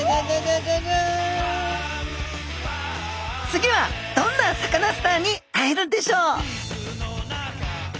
次はどんなサカナスターに会えるんでしょう？